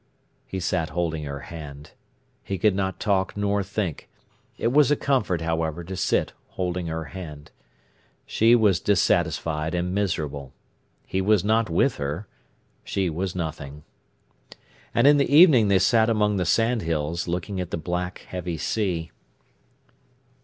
He sat holding her hand. He could not talk nor think. It was a comfort, however, to sit holding her hand. She was dissatisfied and miserable. He was not with her; she was nothing. And in the evening they sat among the sandhills, looking at the black, heavy sea.